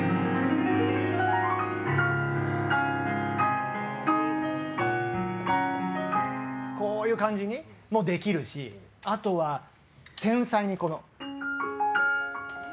清塚：こういう感じにもできるしあとは繊細に。